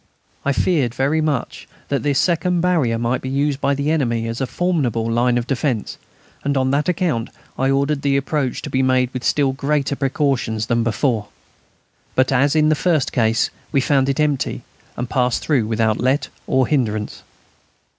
I feared very much that this second barrier might be used by the enemy as a formidable line of defence, and on that account I ordered the approach to be made with still greater precautions than before. But, as in the first case, we found it empty, and passed through without let or hindrance.